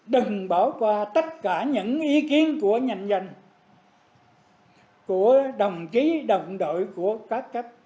đừng bỏ qua tất cả những ý kiến của nhành dân của đồng chí đồng đội của các cách